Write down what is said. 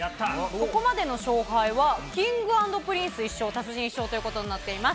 ここまでの勝敗は、Ｋｉｎｇ＆Ｐｒｉｎｃｅ１勝、達人１勝ということになっています。